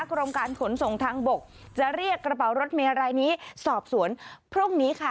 กรมการขนส่งทางบกจะเรียกกระเป๋ารถเมย์รายนี้สอบสวนพรุ่งนี้ค่ะ